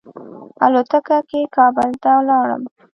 الوتکه کې کابل ته ولاړم.